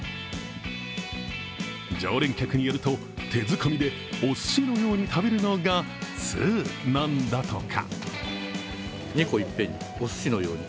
常連客によると、手づかみでおすしのように食べるのが通なんだとか。